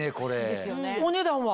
お値段は？